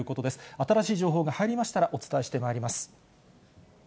新しい情報が入りましたらお伝えしてまいります。